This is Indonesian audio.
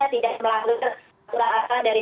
tidak melanggar terang terang dari